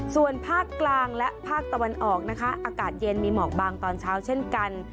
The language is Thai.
ส่วนภาคกลางและภาคตะวันออกนะคะอากาศเย็นมีหมอกบางตอนเช้าเช่นกัน